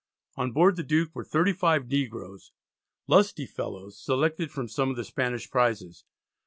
On board the Duke were 35 negroes, "lusty fellows," selected from some of the Spanish prizes.